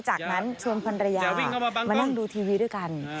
จากนั้นชวนภรรยาวิ่งมานั่งดูทีวีด้วยกัน